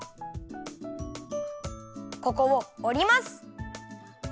ここをおります！